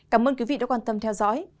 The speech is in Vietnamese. cảm ơn quý vị đã quan tâm theo dõi